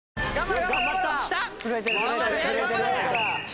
頑張れ！